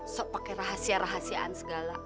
sok pake rahasia rahasiaan segala